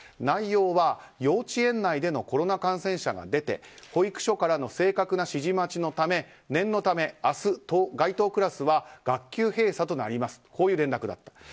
内容は、幼稚園内でのコロナ感染者が出て保育所からの正確な指示待ちのため念のため明日該当クラスは学級閉鎖となりますという連絡だった。